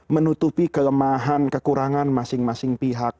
menutupi kelemahan kekurangan masing masing pihak